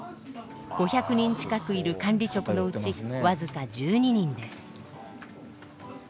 ５００人近くいる管理職のうち僅か１２人です。